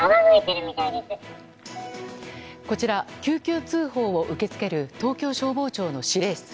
こちら、救急通報を受け付ける東京消防庁の指令室。